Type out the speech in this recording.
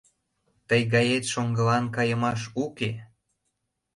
Тый гает шоҥгылан кайымаш уке.